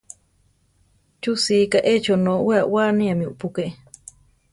¿Chú sika échi onó we aʼwániámi upúke?